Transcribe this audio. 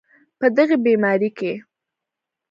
په دغې بیمارۍ کې